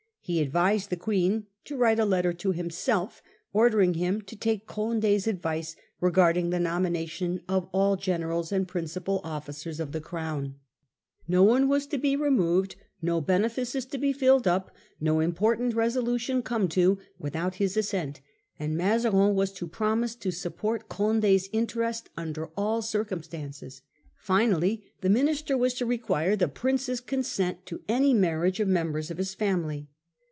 He advised the Queen to write a letter to himself, ordering him to take Condd's advice regarding the nomination of all generals and principal officers of the Crown. No one recondfia^ was to be removed, no benefices to be filled up, ti°n. no important resolution come to, without his assent; and Mazarin was to promise to support Condd's interest under all circumstances. Finally the minister was to require the Prince's consent to any marriage of members of his family.